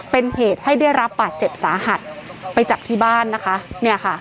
เป็นเหตุให้ได้รับบาดเจ็บสาหัสไปจับที่บ้านนะคะเนี่ยค่ะ